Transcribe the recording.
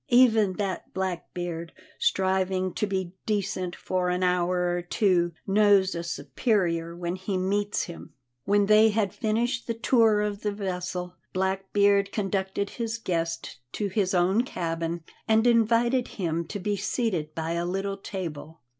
Even that Blackbeard, striving to be decent for an hour or two, knows a superior when he meets him." When they had finished the tour of the vessel, Blackbeard conducted his guest to his own cabin and invited him to be seated by a little table.